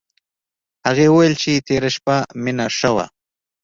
هغې وویل چې تېره شپه مينه ښه وه